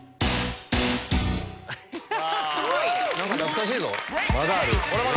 何か懐かしいぞ。